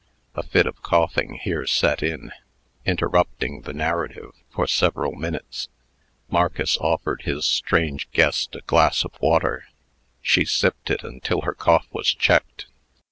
A fit of coughing here set in, interrupting the narrative for several minutes. Marcus offered his strange guest a glass of water. She sipped it, until her cough was checked.